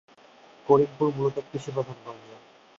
করিমপুর মূলত কৃষিপ্রধান গঞ্জ।